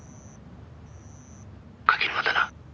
「柿沼だな？